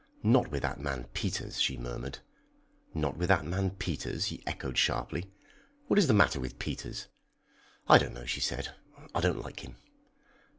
"Not with that man, Peters!" she murmured. "Not with that man, Peters!" he echoed sharply. "What is the matter with Peters?" "I don't know," she said. "I don't like him."